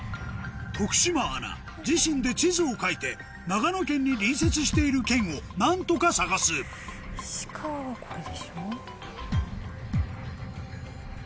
徳島アナ自身で地図を描いて長野県に隣接している県を何とか探すとかいろいろ。